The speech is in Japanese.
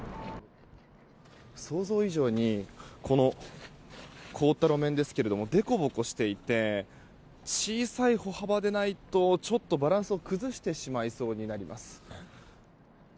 想像以上に凍った路面ですけども凸凹していて小さい歩幅でないとちょっとバランスを崩してしまいそうになります。